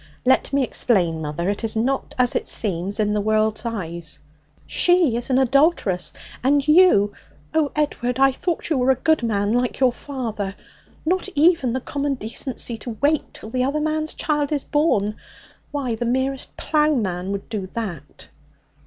'Let me explain, mother. It is not as it seems in the world's eyes.' 'She is an adulteress. And you oh, Edward, I thought you were a good man, like your father! Not even the common decency to wait till the other man's child is born. Why, the merest ploughman would do that!'